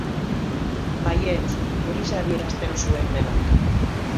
Baietz, horixe adierazten zuen denak.